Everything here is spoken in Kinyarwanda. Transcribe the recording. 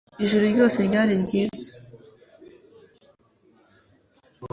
Ijuru ryose ryari ryiza